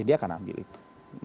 dia akan ambil itu